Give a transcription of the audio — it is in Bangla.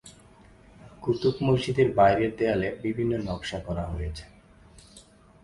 কুতুব মসজিদের বাইরের দেয়ালে বিভিন্ন নকশা করা রয়েছে।